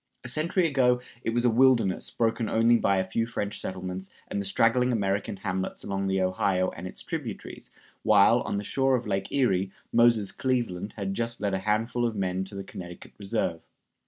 A century ago it was a wilderness, broken only by a few French settlements and the straggling American hamlets along the Ohio and its tributaries, while, on the shore of Lake Erie, Moses Cleaveland had just led a handful of men to the Connecticut Reserve.